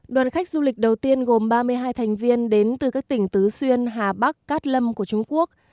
đoàn khách du lịch đầu tiên gồm ba mươi hai thành viên đến từ các tỉnh tứ xuyên hà bắc cát lâm của trung quốc